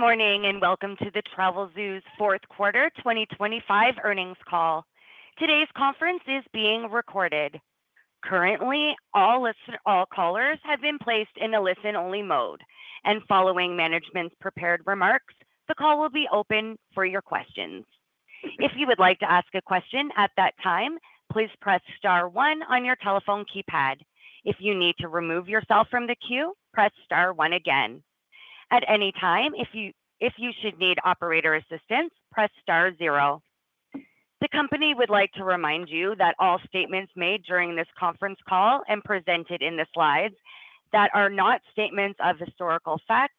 Good morning, and welcome to Travelzoo's Q4 2025 Earnings Call. Today's conference is being recorded. Currently, all callers have been placed in a listen-only mode, and following management's prepared remarks, the call will be open for your questions. If you would like to ask a question at that time, please press star one on your telephone keypad. If you need to remove yourself from the queue, press star one again. At any time, if you should need operator assistance, press star zero. The company would like to remind you that all statements made during this conference call and presented in the slides that are not statements of historical facts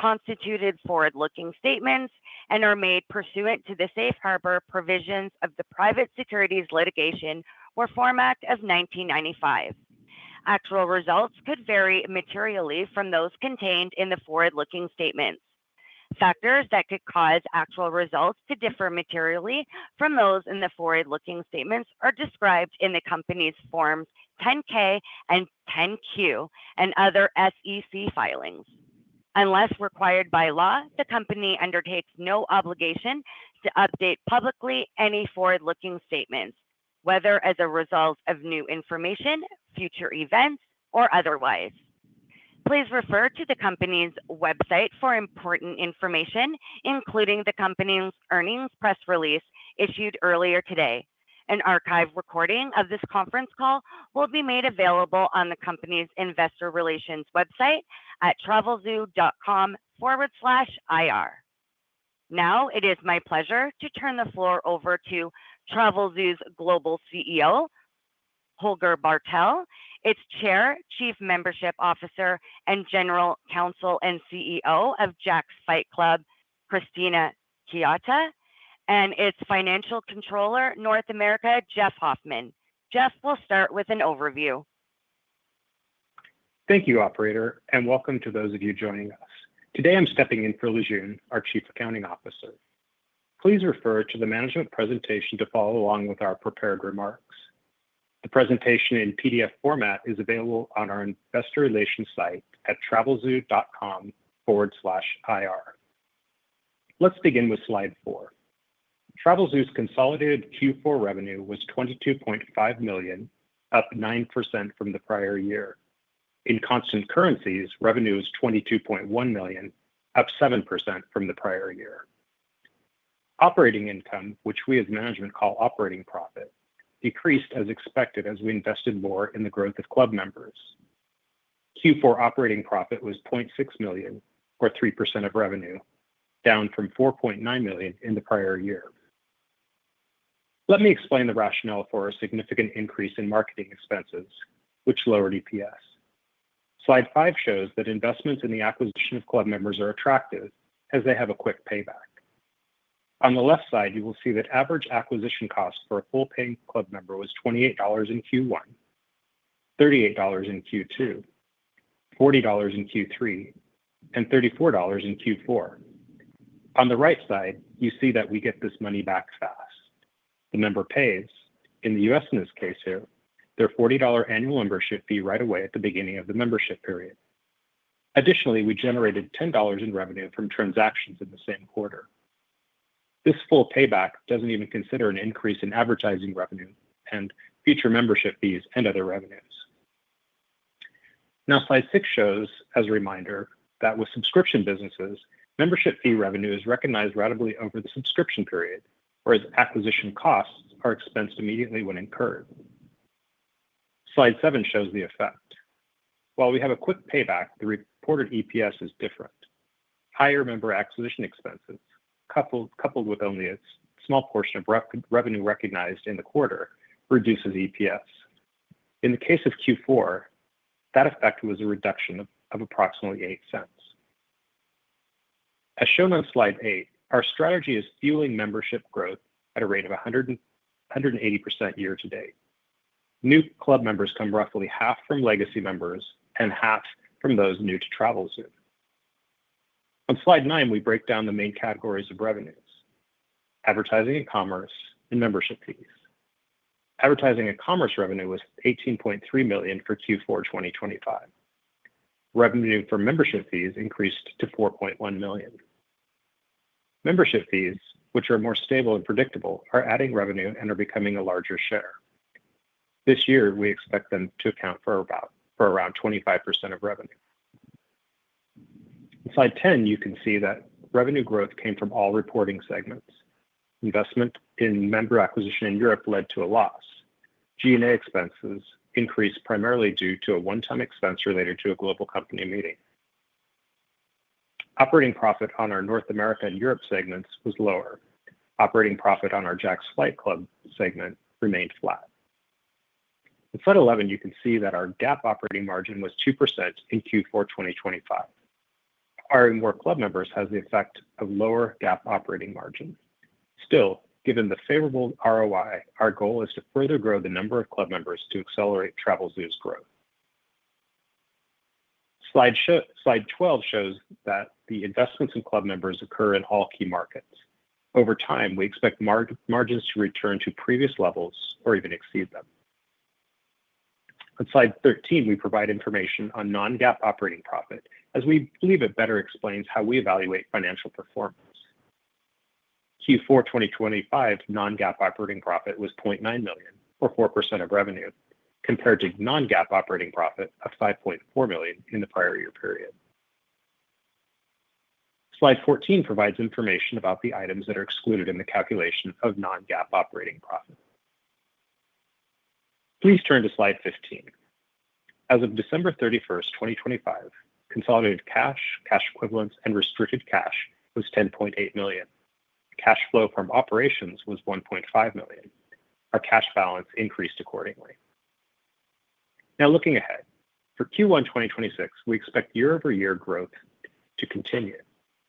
constitute forward-looking statements and are made pursuant to the Safe Harbor provisions of the Private Securities Litigation Reform Act of 1995. Actual results could vary materially from those contained in the forward-looking statements. Factors that could cause actual results to differ materially from those in the forward-looking statements are described in the company's Forms 10-K and 10-Q and other SEC filings. Unless required by law, the company undertakes no obligation to update publicly any forward-looking statements, whether as a result of new information, future events, or otherwise. Please refer to the company's website for important information, including the company's earnings press release issued earlier today. An archive recording of this conference call will be made available on the company's investor relations website at travelzoo.com/IR. Now, it is my pleasure to turn the floor over to Travelzoo's Global CEO, Holger Bartel, its Chair, Chief Membership Officer, and General Counsel and CEO of Jack's Flight Club, Christina Ciocca, and its Financial Controller, North America, Jeff Hoffman. Jeff will start with an overview. Thank you, operator, and welcome to those of you joining us. Today, I'm stepping in for Lijun, our Chief Accounting Officer. Please refer to the management presentation to follow along with our prepared remarks. The presentation in PDF format is available on our investor relations site at travelzoo.com/IR. Let's begin with slide 4. Travelzoo's consolidated Q4 revenue was $22.5 million, up 9% from the prior year. In constant currencies, revenue is $22.1 million, up 7% from the prior year. Operating income, which we as management call operating profit, decreased as expected as we invested more in the growth of club members. Q4 operating profit was $0.6 million, or 3% of revenue, down from $4.9 million in the prior year. Let me explain the rationale for a significant increase in marketing expenses, which lowered EPS. Slide 5 shows that investments in the acquisition of club members are attractive as they have a quick payback. On the left side, you will see that average acquisition costs for a full-paying club member was $28 in Q1, $38 in Q2, $40 in Q3, and $34 in Q4. On the right side, you see that we get this money back fast. The member pays, in the U.S. in this case here, their $40 annual membership fee right away at the beginning of the membership period. Additionally, we generated $10 in revenue from transactions in the same quarter. This full payback doesn't even consider an increase in advertising revenue and future membership fees and other revenues. Now, Slide 6 shows, as a reminder, that with subscription businesses, membership fee revenue is recognized ratably over the subscription period, whereas acquisition costs are expensed immediately when incurred. Slide 7 shows the effect. While we have a quick payback, the reported EPS is different. Higher member acquisition expenses, coupled with only a small portion of revenue recognized in the quarter, reduces EPS. In the case of Q4, that effect was a reduction of approximately $0.08. As shown on Slide 8, our strategy is fueling membership growth at a rate of 180% year to date. New club members come roughly half from legacy members and half from those new to Travelzoo. On Slide 9, we break down the main categories of revenues: advertising and commerce, and membership fees. Advertising and commerce revenue was $18.3 million for Q4 2025. Revenue for membership fees increased to $4.1 million. Membership fees, which are more stable and predictable, are adding revenue and are becoming a larger share. This year, we expect them to account for about for around 25% of revenue. In Slide 10, you can see that revenue growth came from all reporting segments. Investment in member acquisition in Europe led to a loss. G&A expenses increased primarily due to a one-time expense related to a global company meeting. Operating profit on our North America and Europe segments was lower. Operating profit on our Jack's Flight Club segment remained flat. In Slide 11, you can see that our GAAP operating margin was 2% in Q4 2025. Our more club members has the effect of lower GAAP operating margin. Still, given the favorable ROI, our goal is to further grow the number of club members to accelerate Travelzoo's growth. Slideshow. Slide 12 shows that the investments in club members occur in all key markets. Over time, we expect margins to return to previous levels or even exceed them. On slide 13, we provide information on non-GAAP operating profit, as we believe it better explains how we evaluate financial performance. Q4 2025 non-GAAP operating profit was $0.9 million, or 4% of revenue, compared to non-GAAP operating profit of $5.4 million in the prior year period. Slide 14 provides information about the items that are excluded in the calculation of non-GAAP operating profit. Please turn to slide 15. As of December 31st, 2025, consolidated cash, cash equivalents, and restricted cash was $10.8 million. Cash flow from operations was $1.5 million. Our cash balance increased accordingly. Now, looking ahead, for Q1 2026, we expect year-over-year growth to continue.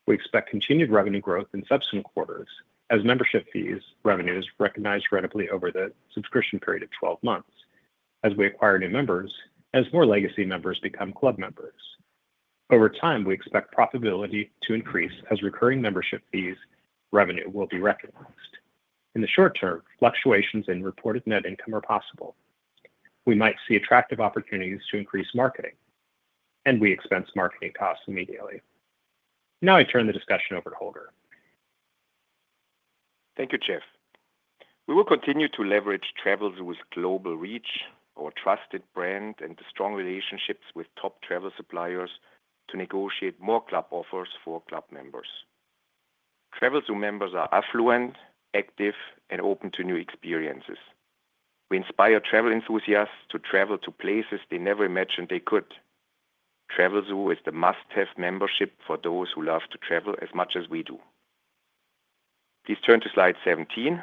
We expect continued revenue growth in subsequent quarters as membership fees, revenues recognized ratably over the subscription period of 12 months, as we acquire new members, as more legacy members become club members. Over time, we expect profitability to increase as recurring membership fees revenue will be recognized. In the short term, fluctuations in reported net income are possible. We might see attractive opportunities to increase marketing, and we expense marketing costs immediately. Now I turn the discussion over to Holger. Thank you, Jeff. We will continue to leverage Travelzoo's global reach, our trusted brand, and the strong relationships with top travel suppliers to negotiate more club offers for club members. Travelzoo members are affluent, active, and open to new experiences. We inspire travel enthusiasts to travel to places they never imagined they could. Travelzoo is the must-have membership for those who love to travel as much as we do. Please turn to slide 17.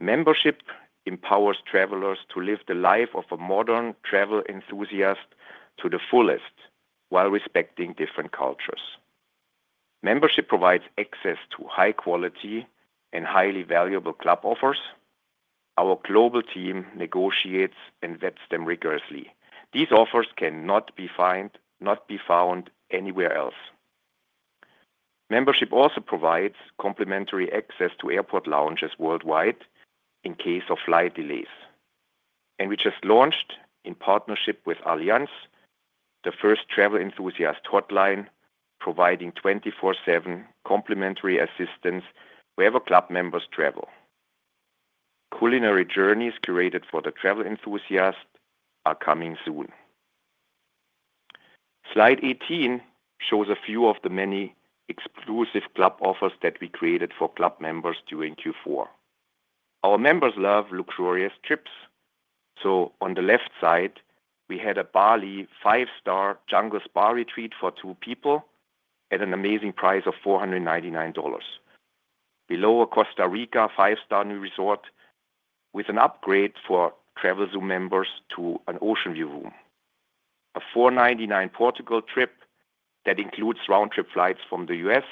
Membership empowers travelers to live the life of a modern travel enthusiast to the fullest while respecting different cultures. Membership provides access to high quality and highly valuable club offers. Our global team negotiates and vets them rigorously. These offers cannot be found anywhere else. Membership also provides complimentary access to airport lounges worldwide in case of flight delays. We just launched, in partnership with Allianz, the first travel enthusiast hotline, providing 24/7 complimentary assistance wherever club members travel. Culinary journeys curated for the travel enthusiast are coming soon. Slide 18 shows a few of the many exclusive club offers that we created for club members during Q4. Our members love luxurious trips. On the left side, we had a Bali five-star jungle spa retreat for two people at an amazing price of $499. Below, a Costa Rica five-star new resort with an upgrade for Travelzoo members to an oceanview room. A $499 Portugal trip that includes round-trip flights from the US,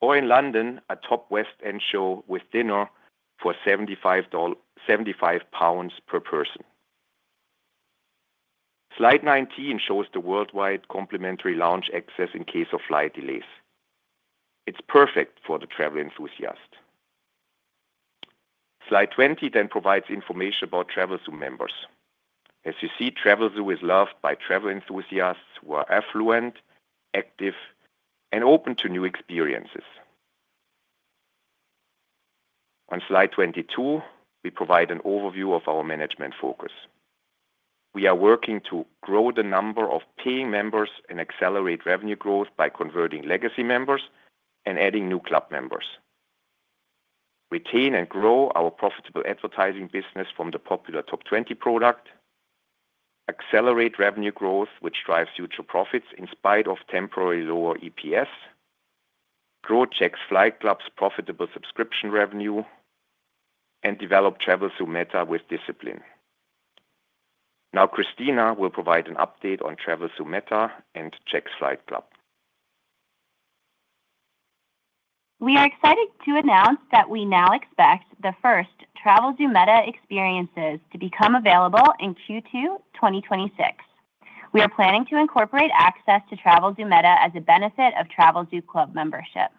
or in London, a top West End show with dinner for 75 pounds per person. Slide 19 shows the worldwide complimentary lounge access in case of flight delays. It's perfect for the travel enthusiast. Slide 20 then provides information about Travelzoo members. As you see, Travelzoo is loved by travel enthusiasts who are affluent, active, and open to new experiences. On slide 22, we provide an overview of our management focus. We are working to grow the number of paying members and accelerate revenue growth by converting legacy members and adding new club members, retain and grow our profitable advertising business from the popular Top 20 product, accelerate revenue growth, which drives future profits in spite of temporary lower EPS, grow Jack's Flight Club's profitable subscription revenue, and develop Travelzoo Meta with discipline. Now, Christina will provide an update on Travelzoo Meta and Jack's Flight Club. We are excited to announce that we now expect the first Travelzoo Meta experiences to become available in Q2 2026. We are planning to incorporate access to Travelzoo Meta as a benefit of Travelzoo Club membership.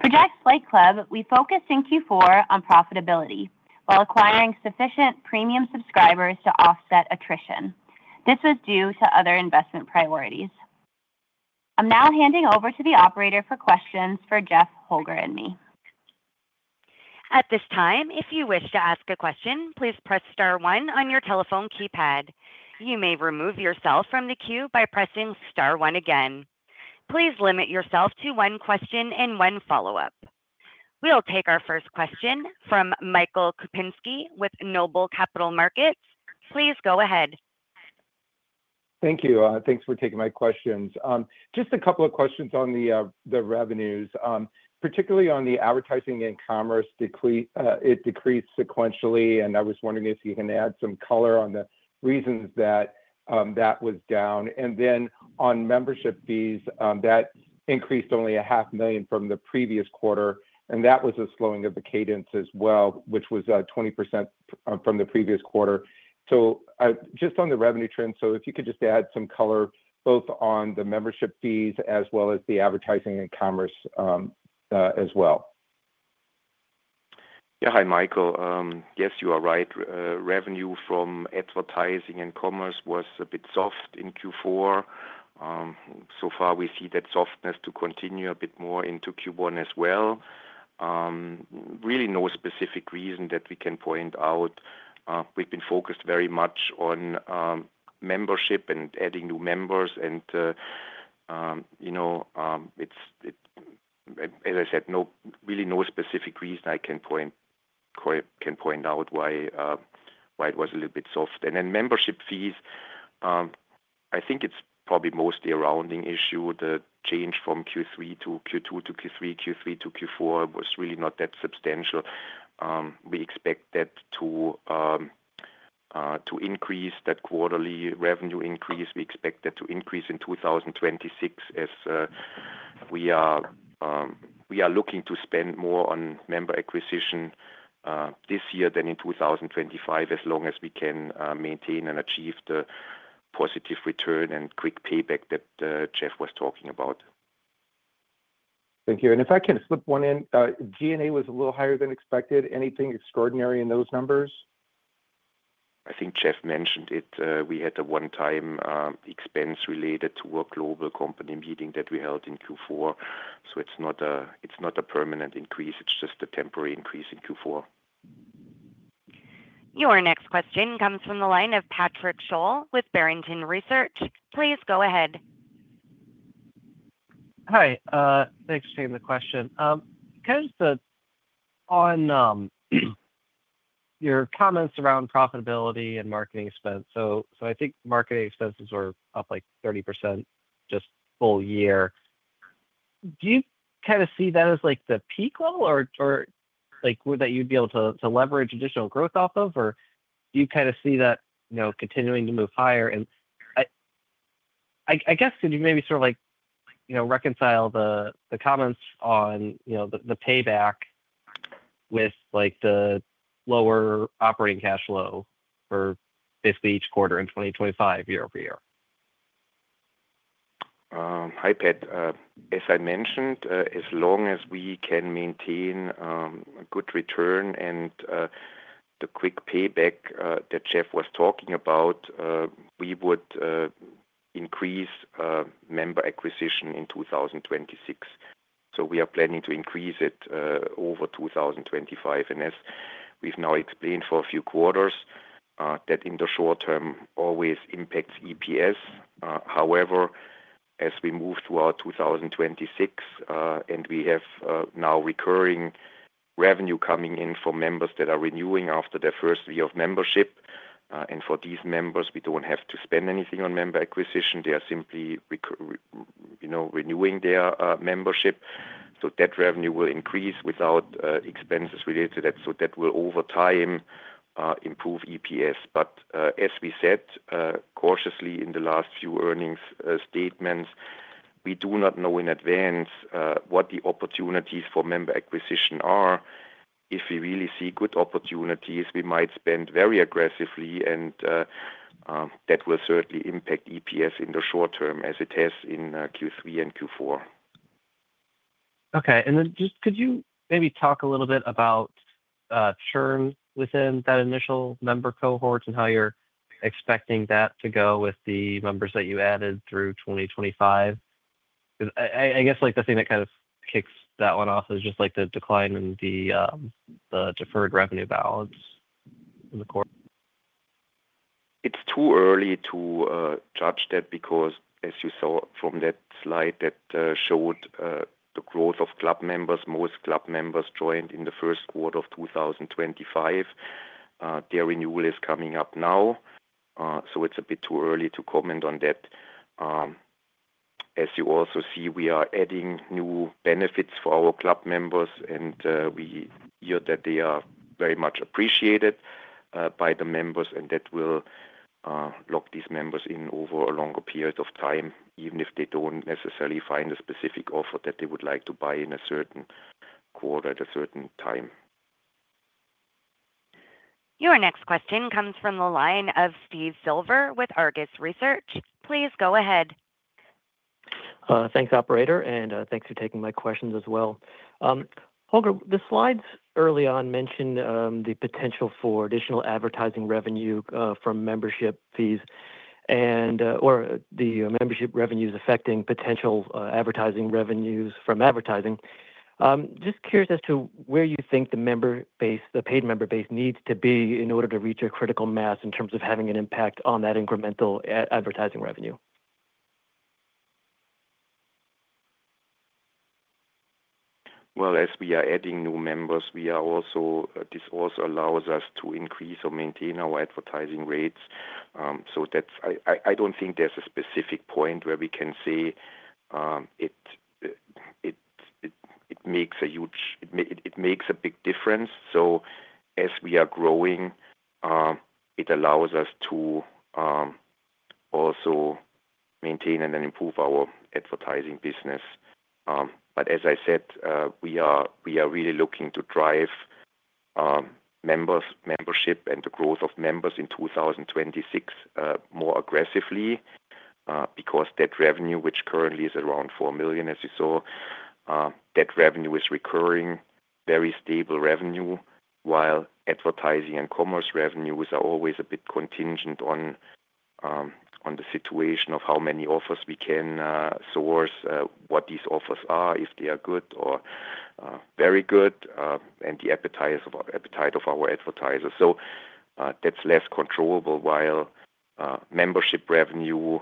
For Jack's Flight Club, we focused in Q4 on profitability while acquiring sufficient premium subscribers to offset attrition. This was due to other investment priorities. I'm now handing over to the operator for questions for Jeff, Holger, and me. At this time, if you wish to ask a question, please press star one on your telephone keypad. You may remove yourself from the queue by pressing star one again. Please limit yourself to one question and one follow-up. We'll take our first question from Michael Kupinski with Noble Capital Markets. Please go ahead. Thank you. Thanks for taking my questions. Just a couple of questions on the revenues, particularly on the advertising and commerce revenue. It decreased sequentially, and I was wondering if you can add some color on the reasons that was down. And then on membership fees, that increased only $500,000 from the previous quarter, and that was a slowing of the cadence as well, which was 20% from the previous quarter. Just on the revenue trend, if you could just add some color, both on the membership fees as well as the advertising and commerce revenue, as well.... Yeah. Hi, Michael. Yes, you are right. Revenue from advertising and commerce was a bit soft in Q4. So far, we see that softness to continue a bit more into Q1 as well. Really, no specific reason that we can point out. We've been focused very much on membership and adding new members, and, you know, it, as I said, really no specific reason I can point out why, why it was a little bit soft. And then membership fees, I think it's probably mostly a rounding issue. The change from Q3 to Q2 to Q3, Q3 to Q4 was really not that substantial. We expect that to increase, that quarterly revenue increase, we expect that to increase in 2026 as we are looking to spend more on member acquisition, this year than in 2025, as long as we can maintain and achieve the positive return and quick payback that Jeff was talking about. Thank you. And if I can slip one in, G&A was a little higher than expected. Anything extraordinary in those numbers? I think Jeff mentioned it. We had a one-time expense related to a global company meeting that we held in Q4. So it's not a permanent increase, it's just a temporary increase in Q4. Your next question comes from the line of Patrick Sholl with Barrington Research. Please go ahead. Hi, thanks for taking the question. Because on your comments around profitability and marketing expense. So I think marketing expenses were up, like, 30% just full year. Do you kinda see that as, like, the peak level, or, like, would that you'd be able to, to leverage additional growth off of? Or do you kinda see that, you know, continuing to move higher? And I guess, could you maybe sort of like, you know, reconcile the comments on, you know, the payback with, like, the lower operating cash flow for basically each quarter in 2025 year-over-year? Hi, Pat. As I mentioned, as long as we can maintain a good return and the quick payback that Jeff was talking about, we would increase member acquisition in 2026. So we are planning to increase it over 2025. And as we've now explained for a few quarters, that in the short term always impacts EPS. However, as we move throughout 2026, and we have now recurring revenue coming in from members that are renewing after their first year of membership, and for these members, we don't have to spend anything on member acquisition. They are simply renewing their membership, you know, so that revenue will increase without expenses related to that. So that will, over time, improve EPS. But, as we said, cautiously in the last few earnings statements, we do not know in advance what the opportunities for member acquisition are. If we really see good opportunities, we might spend very aggressively, and, that will certainly impact EPS in the short term as it has in Q3 and Q4. Okay. And then just could you maybe talk a little bit about churn within that initial member cohorts and how you're expecting that to go with the members that you added through 2025? I guess, like, the thing that kind of kicks that one off is just, like, the decline in the deferred revenue balance in the quarter. It's too early to judge that because as you saw from that slide that showed the growth of club members, most club members joined in the Q1 of 2025. Their renewal is coming up now, so it's a bit too early to comment on that. As you also see, we are adding new benefits for our club members, and we hear that they are very much appreciated by the members, and that will lock these members in over a longer period of time, even if they don't necessarily find a specific offer that they would like to buy in a certain quarter at a certain time. Your next question comes from the line of Steve Silver with Argus Research. Please go ahead. Thanks, operator, and thanks for taking my questions as well. Holger, the slides early on mentioned the potential for additional advertising revenue from membership fees and or the membership revenues affecting potential advertising revenues from advertising. Just curious as to where you think the member base, the paid member base, needs to be in order to reach a critical mass in terms of having an impact on that incremental a- advertising revenue? Well, as we are adding new members, we are also, this also allows us to increase or maintain our advertising rates. So I don't think there's a specific point where we can say, it makes a big difference. So as we are growing, it allows us to also maintain and then improve our advertising business. But as I said, we are really looking to drive-... members, membership and the growth of members in 2026, more aggressively, because that revenue, which currently is around $4 million, as you saw, that revenue is recurring, very stable revenue, while advertising and commerce revenues are always a bit contingent on, on the situation of how many offers we can, source, what these offers are, if they are good or, very good, and the appetite of our advertisers. So, that's less controllable, while, membership revenue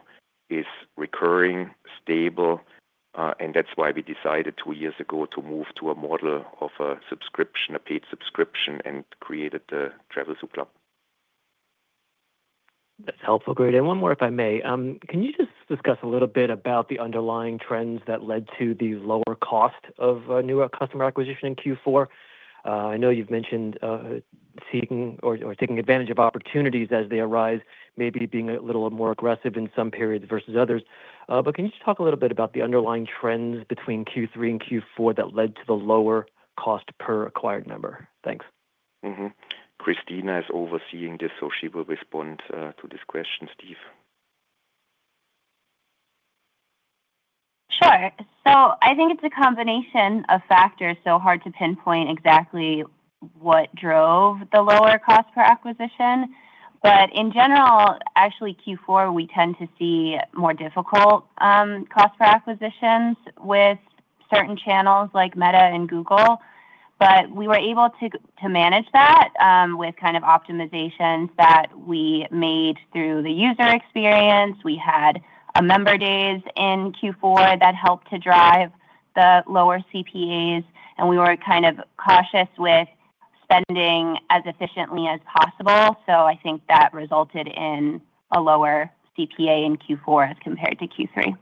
is recurring, stable, and that's why we decided two years ago to move to a model of a subscription, a paid subscription, and created the Travelzoo Club. That's helpful. Great. And one more, if I may. Can you just discuss a little bit about the underlying trends that led to the lower cost of new customer acquisition in Q4? I know you've mentioned seeking or taking advantage of opportunities as they arise, maybe being a little more aggressive in some periods versus others. But can you just talk a little bit about the underlying trends between Q3 and Q4 that led to the lower cost per acquired member? Thanks. Mm-hmm. Christina is overseeing this, so she will respond to this question, Steve. Sure. So I think it's a combination of factors, so hard to pinpoint exactly what drove the lower cost per acquisition. But in general, actually Q4, we tend to see more difficult, cost per acquisitions with certain channels like Meta and Google. But we were able to, to manage that, with kind of optimizations that we made through the user experience. We had a Member Days in Q4 that helped to drive the lower CPAs, and we were kind of cautious with spending as efficiently as possible. So I think that resulted in a lower CPA in Q4 as compared to Q3.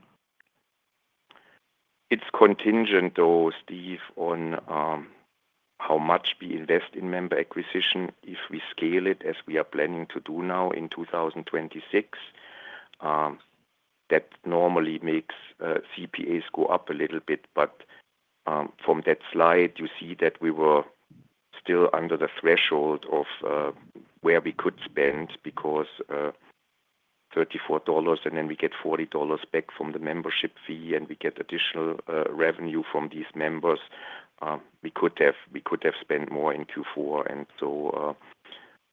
It's contingent, though, Steve, on how much we invest in member acquisition. If we scale it, as we are planning to do now in 2026, that normally makes CPAs go up a little bit, but from that slide, you see that we were still under the threshold of where we could spend, because $34, and then we get $40 back from the membership fee, and we get additional revenue from these members. We could have, we could have spent more in Q4, and so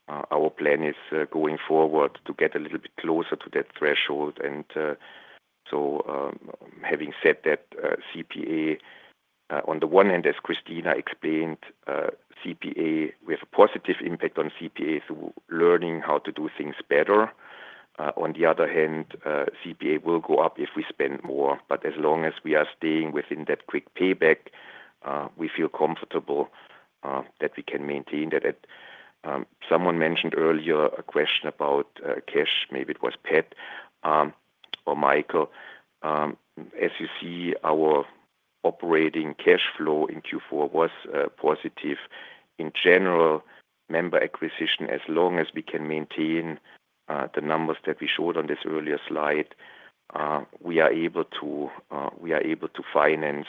our plan is going forward to get a little bit closer to that threshold. And so, having said that, CPA on the one hand, as Christina explained, CPA, we have a positive impact on CPA through learning how to do things better. On the other hand, CPA will go up if we spend more, but as long as we are staying within that quick payback, we feel comfortable that we can maintain that at... Someone mentioned earlier a question about cash. Maybe it was Pat or Michael. As you see, our operating cash flow in Q4 was positive. In general, member acquisition, as long as we can maintain the numbers that we showed on this earlier slide, we are able to finance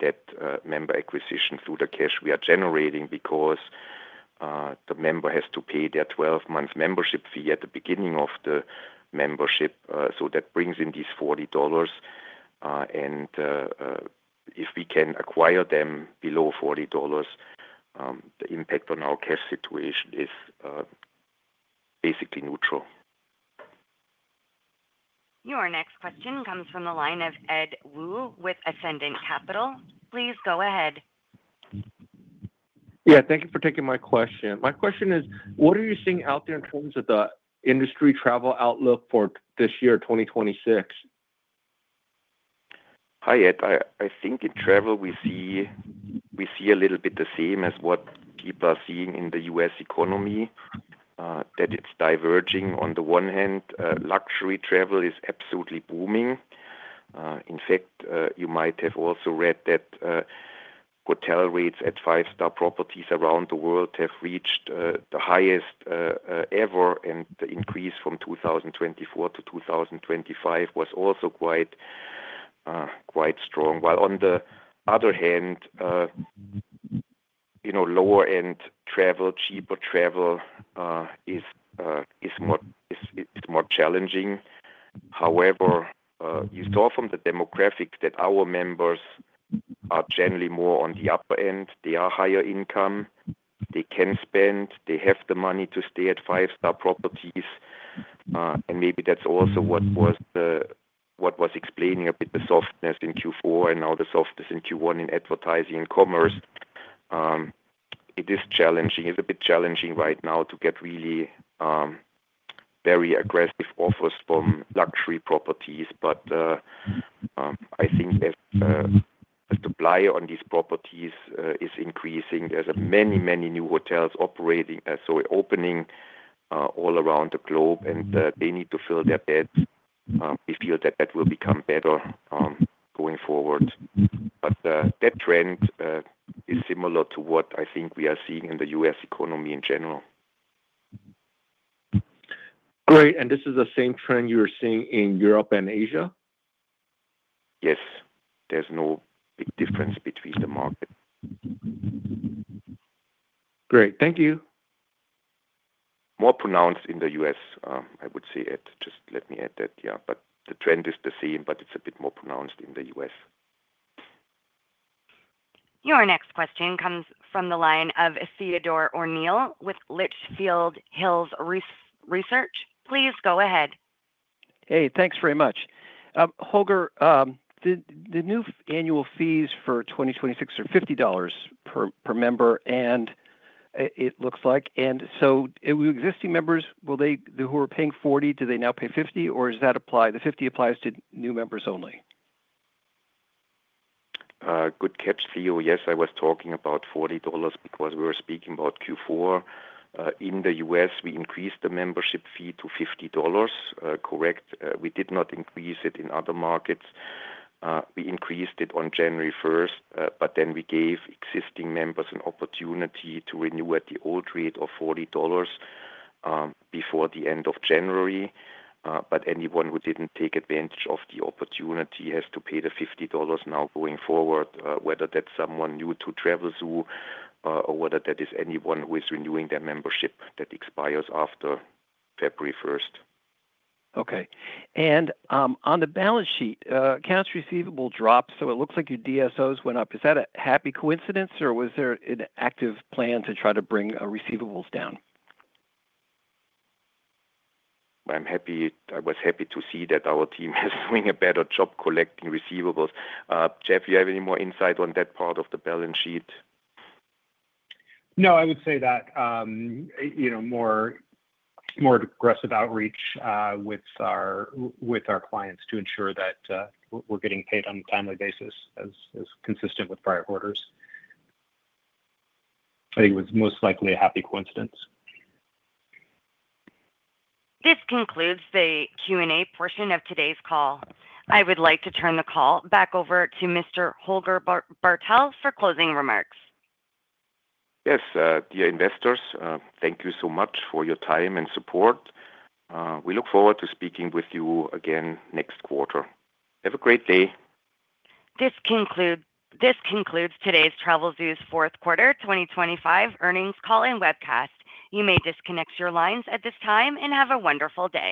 that member acquisition through the cash we are generating because the member has to pay their 12-month membership fee at the beginning of the membership, so that brings in these $40. If we can acquire them below $40, the impact on our cash situation is basically neutral. Your next question comes from the line of Ed Woo with Ascendiant Capital. Please go ahead. Yeah, thank you for taking my question. My question is, what are you seeing out there in terms of the industry travel outlook for this year, 2026? Hi, Ed. I think in travel, we see a little bit the same as what people are seeing in the U.S. economy, that it's diverging. On the one hand, luxury travel is absolutely booming. In fact, you might have also read that, hotel rates at five-star properties around the world have reached the highest ever, and the increase from 2024 to 2025 was also quite strong. While on the other hand, you know, lower-end travel, cheaper travel, is more challenging. However, you saw from the demographic that our members are generally more on the upper end. They are higher income. They can spend, they have the money to stay at five-star properties, and maybe that's also what was explaining a bit the softness in Q4 and now the softness in Q1 in advertising and commerce. It is challenging. It's a bit challenging right now to get really very aggressive offers from luxury properties, but I think as the supply on these properties is increasing, there are many, many new hotels operating so opening all around the globe, and they need to fill their beds. We feel that that will become better going forward. But that trend is similar to what I think we are seeing in the U.S. economy in general.... Great, and this is the same trend you are seeing in Europe and Asia? Yes, there's no big difference between the market. Great, thank you. More pronounced in the U.S., I would say it, just let me add that. Yeah, but the trend is the same, but it's a bit more pronounced in the U.S. Your next question comes from the line of Theodore O'Neill with Litchfield Hills Research. Please go ahead. Hey, thanks very much. Holger, the new annual fees for 2026 are $50 per member, and it looks like... So with existing members, who are paying $40, do they now pay $50, or does that apply, the $50 applies to new members only? Good catch, Theo. Yes, I was talking about $40 because we were speaking about Q4. In the US, we increased the membership fee to $50, correct. We did not increase it in other markets. We increased it on January first, but then we gave existing members an opportunity to renew at the old rate of $40 before the end of January. But anyone who didn't take advantage of the opportunity has to pay the $50 now going forward, whether that's someone new to Travelzoo or whether that is anyone who is renewing their membership that expires after February first. Okay. On the balance sheet, accounts receivable dropped, so it looks like your DSOs went up. Is that a happy coincidence, or was there an active plan to try to bring receivables down? I'm happy, I was happy to see that our team is doing a better job collecting receivables. Jeff, do you have any more insight on that part of the balance sheet? No, I would say that, you know, more aggressive outreach with our clients to ensure that we're getting paid on a timely basis, as is consistent with prior quarters. I think it was most likely a happy coincidence. This concludes the Q&A portion of today's call. I would like to turn the call back over to Mr. Holger Bartel for closing remarks. Yes, dear investors, thank you so much for your time and support. We look forward to speaking with you again next quarter. Have a great day. This concludes today's Travelzoo's Q4, 2025 earnings call and webcast. You may disconnect your lines at this time, and have a wonderful day.